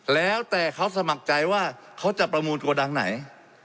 แล้วแต่เขาสมัครใจว่าเขาจะประมูลโกดังไหน